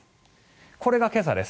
これが今朝です。